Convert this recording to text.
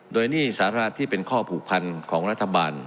โดยหนี้สาระที่เป็นข้อผูกพันของรัฐบาล